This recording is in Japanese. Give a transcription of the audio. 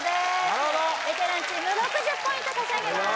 なるほどベテランチーム６０ポイント差し上げます